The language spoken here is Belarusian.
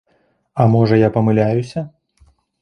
А можа я памыляюся?